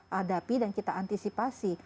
hadapi dan kita antisipasi